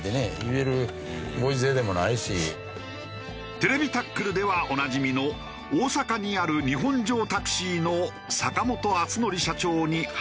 『ＴＶタックル』ではおなじみの大阪にある日本城タクシーの坂本篤紀社長に話を聞いてみた。